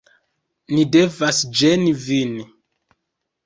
Ni devas ĝeni vin